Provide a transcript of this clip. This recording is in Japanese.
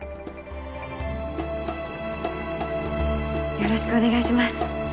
よろしくお願いします